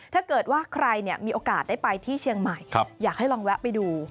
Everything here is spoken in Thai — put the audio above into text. ถ้าเกิดว่าใครมีโอกาสได้ไปที่เชียงใหม่อยากให้ลองแวะไปดู